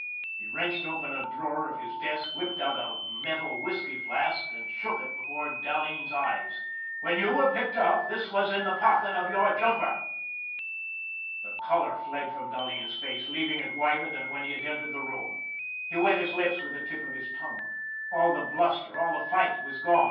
He wrenched open a drawer of his desk, whipped out a metal whisky flask, and shook it before Dahleen's eyes. " When you were picked up this was in the pocket of your jumper! " The color fled from Dahleen's face leaving it whiter than when he had entered the room. He wet his lips with the tip of his tongue. All the bluster, all the fight was gone.